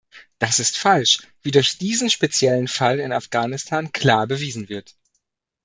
Das ist falsch, wie durch diesen speziellen Fall in Afghanistan klar bewiesen wird.